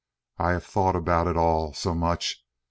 I have thought of it all so much.